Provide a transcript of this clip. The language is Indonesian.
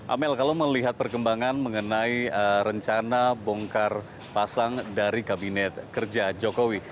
amel kalau melihat perkembangan mengenai rencana bongkar pasang dari kabinet kerja jokowi